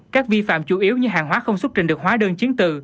các vi phạm chủ yếu như hàng hóa không xuất trình được hóa đơn chiến tự